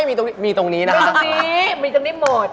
มีตรงนี้มีตรงนี้หมด